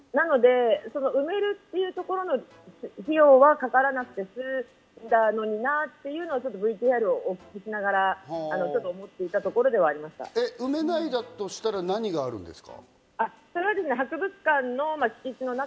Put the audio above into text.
なので、埋めるというところの費用はかからなくて済んだのになというのをＶＴＲをお聞きしながら、あるなぁと思っ埋めないんだとしたら何があるんですか？